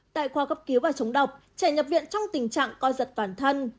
tại khoa cấp cứu và chống độc trẻ nhập viện trong tình trạng coi giật bản thân